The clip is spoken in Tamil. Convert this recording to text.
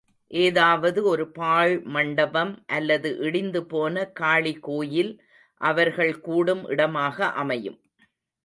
ஏதாவது ஒரு பாழ்மண்டபம் அல்லது இடிந்துபோன காளி கோயில் அவர்கள் கூடும் இடமாக அமையும்.